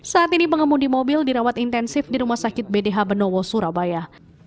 saat ini pengemudi mobil dirawat intensif di rumah sakit bdh benowo surabaya